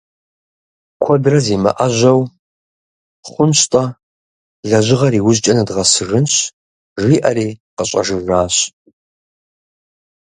Куэдрэ зимыӏэжьэу «хъунщ-тӏэ, лэжьыгъэр иужькӏэ нэдгъэсыжынщ»,— жиӏэри къыщӏэжыжащ.